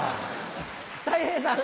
たい平さん。